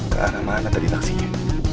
ke arah mana tadi taksinya